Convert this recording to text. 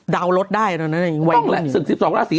เดาลดได้ต้องแหละสึกสิบสองราศี